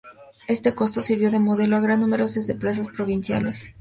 Este coso sirvió de modelo a gran número de plazas provinciales.